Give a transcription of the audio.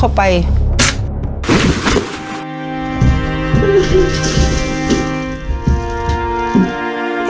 โรค